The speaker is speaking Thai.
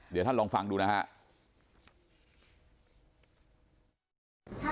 เดี๋ยวท่านลองฟังดูนะครับ